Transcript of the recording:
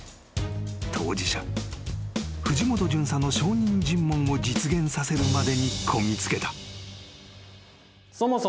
当事者藤本巡査の証人尋問を実現させるまでにこぎ着けた］